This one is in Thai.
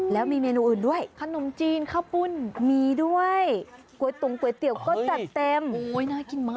แล้วมีเมนูอื่นด้วยขะนมจีนข้าวปุ่นมีด้วยก๋วยตงก๋วยเตี๋ยวก็จะเต็ม